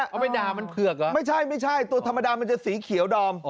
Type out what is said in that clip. เอาไปด่ามันเผือกเหรอไม่ใช่ไม่ใช่ตัวธรรมดามันจะสีเขียวดอม